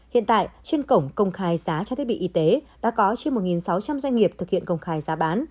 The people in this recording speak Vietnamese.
hiện tại trên cổng công khai giá thiết bị y tế đã có trên một sáu trăm linh doanh nghiệp thực hiện công khai giá bán